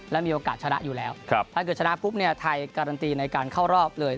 และมีโอกาสชนะอยู่แล้วถ้าเกิดชนะปุ๊บเนี่ยไทยการันตีในการเข้ารอบเลย